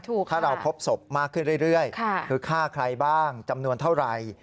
ถ้าเราพบศพมากขึ้นเรื่อยคือฆ่าใครบ้างจำนวนเท่าไหร่